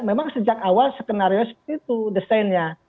memang sejak awal skenario seperti itu desainnya